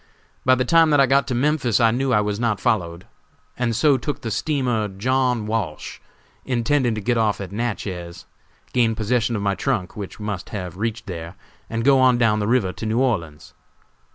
By the time that I got to Memphis I knew I was not followed, and so took the steamer 'John Walsh,' intending to get off at Natchez, gain possession of my trunk, which must have reached there, and go on down the river to New Orleans.